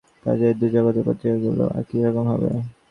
জগৎগুলো মোটামুটি একই রকম, কাজেই দু জগতের পত্রিকাগুলোও একই রকম হবে।